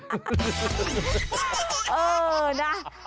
เออนะ